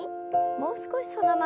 もう少しそのままで。